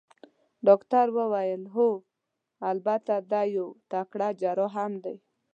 ډاکټر وویل: هو، البته دی یو تکړه جراح هم دی.